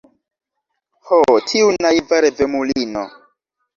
Ho, tiu naiva revemulino!